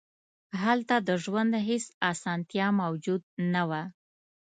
هلته د ژوند هېڅ اسانتیا موجود نه وه.